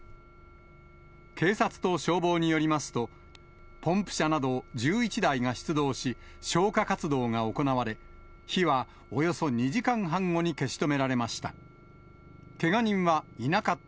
警察と消防によりますと、ポンプ車など１１台が出動し、消火活動が行われ、火はおよそ２時間半後に消し止められました。